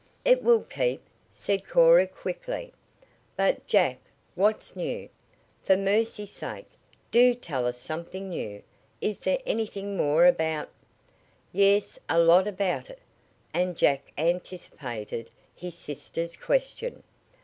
"It will keep," said Cora quickly. "But, Jack, what's new? For mercy's sake, do tell us something new! Is there anything more about " "Yes, a lot about it," and Jack anticipated his sister's question.